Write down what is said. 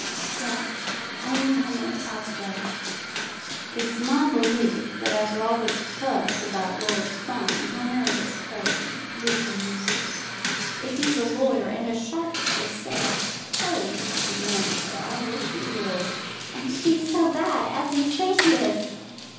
"Yes; I knew him at Bobsborough." "It's my belief that after all this fuss about Lord Fawn, he'll marry his cousin, Lizzie Eustace. If he's a lawyer, and as sharp as they say, I suppose he could manage her. I wish he would." "And she so bad as you say she is!"